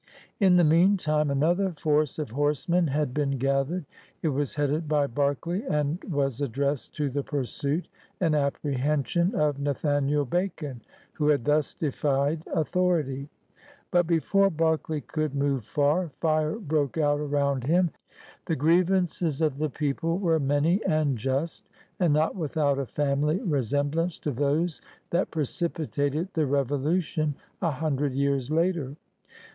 In the meantime another force of horsemen had been gathered. It was headed by Berkeley and was addressed to the pursuit and apprehension of Nathaniel Bacon, who had thus defied authority. But before Berkeley could move far, fire broke 166 PIONEERS OP THE OLD SOUTH out around him. The grievances of the people were many and just, and not without a family resemblance to those that precipitated the Revolu tion a hundred years later.